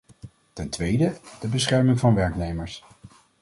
Ten tweede: de bescherming van werknemers.